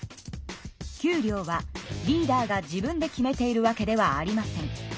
給料はリーダーが自分で決めているわけではありません。